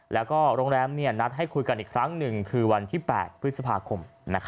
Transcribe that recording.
แล้วก็โรงแรมนัดให้คุยกันอีกครั้งหนึ่งคือวันที่๘พฤษภาคม